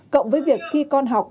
cộng với việc khi con học